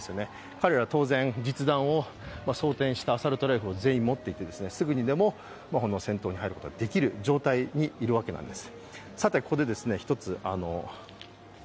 彼らは当然、実弾を装填したアサルトライフルを全員持っていてすぐにでも戦闘に入ることができる状態にいるわけです。